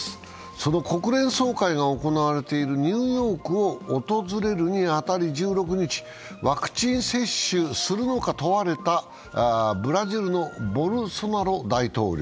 その国連総会が行われているニューヨークを訪れるに当たりワクチン接種するのか問われたブラジルのボルソナロ大統領。